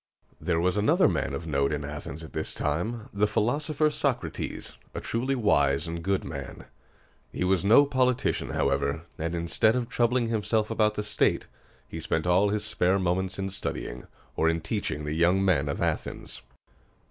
There was another man of note in Athens at this time, the philosopher Socrates, a truly wise and good man. He was no politician, however; and, instead of troubling himself about the state, he spent all his spare moments in studying, or in teaching the young men of Athens.